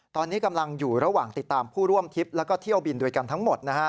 ตอนนี้กำลังอยู่ระหว่างติดตามผู้ร่วมทริปแล้วก็เที่ยวบินด้วยกันทั้งหมดนะฮะ